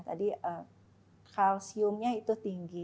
tadi kalsiumnya itu tinggi